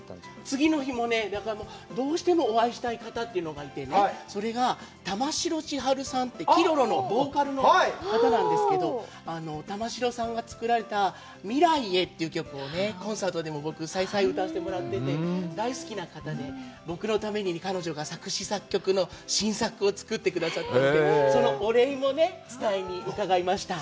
次の日もね、だからどうしてもお会いしたい方というのがいてね、それが玉城千春さんって、Ｋｉｒｏｒｏのボーカルの方なんですけど、玉城さんが作られた「未来へ」という曲をね、コンサートでも僕、再々歌わせてもらってて、大好きな方で、僕のために彼女が作詞作曲の新作を作ってくださったんですけど、そのお礼も伝えに伺いました。